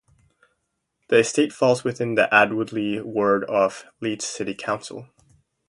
The Estate falls within the Alwoodley Ward of Leeds City Council.